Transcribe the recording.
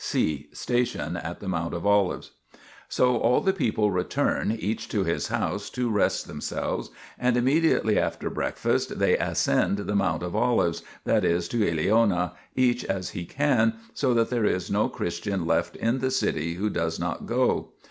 (c) Station at the Mount of Olives. So all the people return, each to his house, to rest themselves, and immediately after breakfast they ascend the Mount of Olives, that is, to Eleona, each as he can, so that there is no Christian left in the city who does not go.